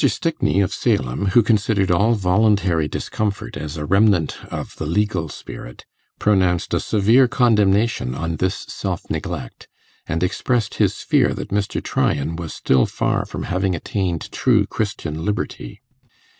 Stickney, of Salem, who considered all voluntary discomfort as a remnant of the legal spirit, pronounced a severe condemnation on this self neglect, and expressed his fear that Mr. Tryan was still far from having attained true Christian liberty.